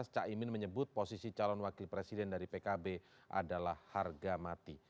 caimin menyebut posisi calon wakil presiden dari pkb adalah harga mati